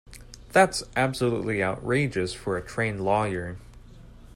That's absolutely outrageous for a trained lawyer.